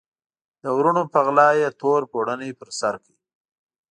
د وروڼو په غلا یې تور پوړنی پر سر کړ.